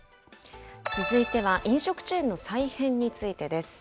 続いては飲食チェーンの再編についてです。